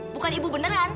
bukan ibu beneran